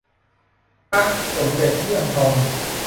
พระสมเด็จเลี่ยมทอง